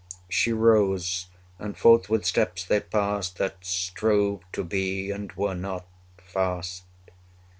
She rose: and forth with steps they passed That strove to be, and were not, fast.